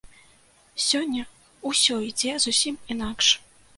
Сёння ўсё ідзе зусім інакш.